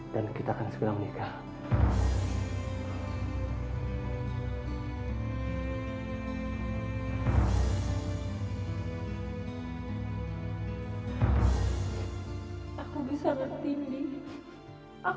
dan kita akan segera menikah